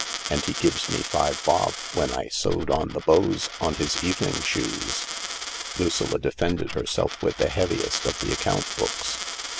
And he gives me five bob when I sewed on the bows on his evening shoes." Lucilla defended herself with the heaviest of the account books.